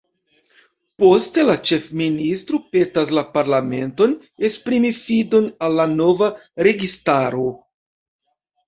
Poste la ĉefministro petas la parlamenton esprimi fidon al la nova registaro.